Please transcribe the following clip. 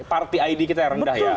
party id kita yang rendah ya